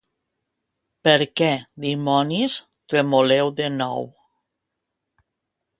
Per què, dimonis, tremoleu de nou.